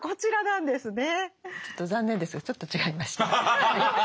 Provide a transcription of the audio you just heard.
ちょっと残念ですがちょっと違いまして。